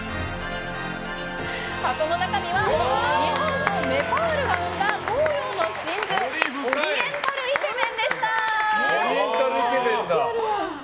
箱の中身は日本とネパールが生んだ東洋の真珠オリエンタルイケメンでした。